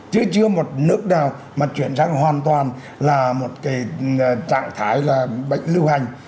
chứ chưa một nước nào mà chuyển sang hoàn toàn là một cái trạng thái là bệnh lưu hành